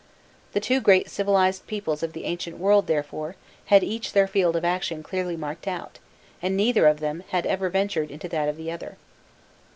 The two great civilized peoples of the ancient world, therefore, had each their field of action clearly marked out, and neither of them had ever ventured into that of the other.